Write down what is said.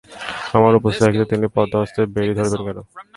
আমরা উপস্থিত থাকিতে তিনি পদ্মহস্তে বেড়ি ধরিবেন কেন?